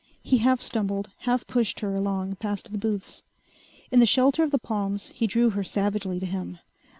He half stumbled, half pushed her along past the booths. In the shelter of the palms he drew her savagely to him.